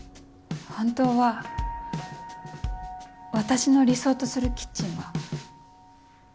本当は私の理想とするキッチンは。